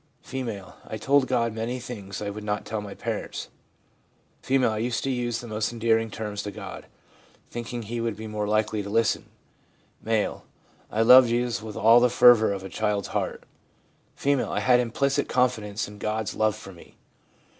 F. ' I told God many things I would not tell my parents.' F. ' I used to use the most endearing terms to God, think THE RELIGION OF CHILDHOOD 191 ing He would be more likely to listen.' M. i I loved Jesus with all the fervour of a child's heart.' F. ' I had implicit confidence in God's love for me.'